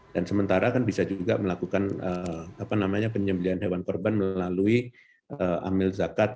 dan sementara kan bisa juga melakukan penyembelian hewan korban melalui amil zakat